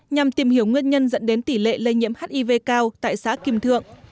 nhằm tìm hiểu nguyên nhân dẫn đến tỷ lệ lây nhiễm hiv cao tại xã kim thượng